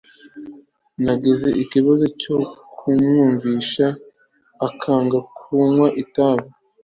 nagize ikibazo cyo kumwumvisha akaga ko kunywa itabi